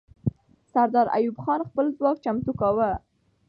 سردار ایوب خان خپل ځواک چمتو کاوه.